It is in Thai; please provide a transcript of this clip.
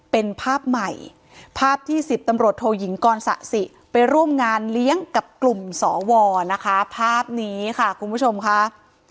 เป็นภาพใหม่ภาพที่สิบตำรวจโทยิงกรสะสิไปร่วมงานเลี้ยงกับกลุ่มสวนะคะภาพนี้ค่ะคุณผู้ชมค่ะ